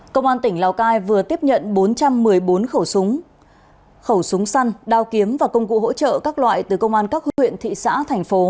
công an tỉnh lào cai vừa tiếp nhận bốn trăm một mươi bốn khẩu súng khẩu súng săn đao kiếm và công cụ hỗ trợ các loại từ công an các huyện thị xã thành phố